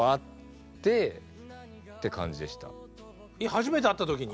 初めて会った時に？